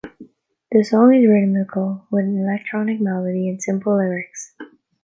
The song is rhythmical, with an electronic melody and simple lyrics.